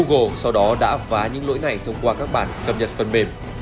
google sau đó đã phá những lỗi này thông qua các bản cập nhật phần mềm